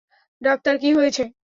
Doctor, কী হয়েছে?